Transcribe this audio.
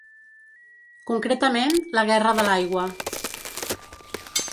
Concretament, la guerra de l’aigua.